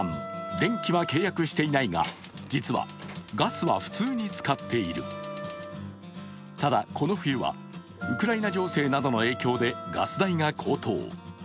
電気は契約していないが、実はガスは普通に使っているただ、この冬はウクライナ情勢などの影響でガス代が高騰。